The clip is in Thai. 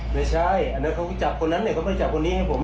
ไม่ใช่อันนั้นเขารู้จักคนนั้นเนี่ยเขาไม่จับคนนี้ให้ผม